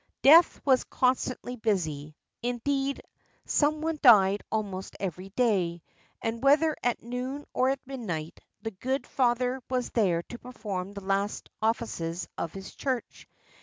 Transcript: Death was con stantly busy — indeed, some one died almost every day; and whether at noon or at midnight, the good Father was there to perform the last offices of his Church.